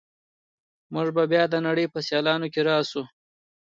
موږ به بیا د نړۍ په سیالانو کې راشو.